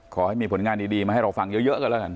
ขอให้มีผลงานดีมาให้เราฟังเยอะกันแล้วกัน